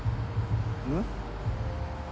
うん？